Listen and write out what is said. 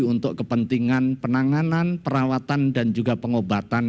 untuk kepentingan penanganan perawatan dan juga pengobatan